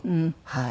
はい。